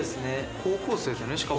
高校生だよね、しかも。